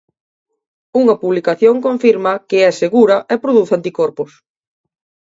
Unha publicación confirma que é segura e produce anticorpos.